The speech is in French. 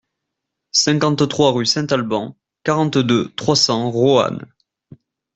cinquante-trois rue Saint-Alban, quarante-deux, trois cents, Roanne